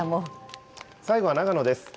最後は長野です。